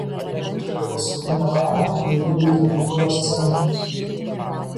Po Antrojo pasaulinio karo joje veikė kultūros centras.